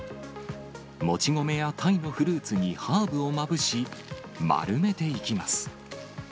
もち米やタイのフルーツにハーブをまぶし、丸めていきます。